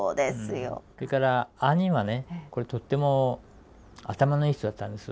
それから兄はねこれとっても頭のいい人だったんです。